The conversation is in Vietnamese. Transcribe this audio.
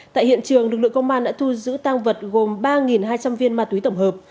tại hiện trường lực lượng công an đã thu giữ tăng vật gồm ba hai trăm linh viên ma túy tổng hợp